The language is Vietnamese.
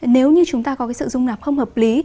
nếu như chúng ta có cái sự dung nạp không hợp lý